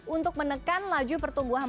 untuk menekan laju pertumbuhan